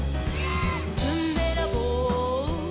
「ずんべらぼう」「」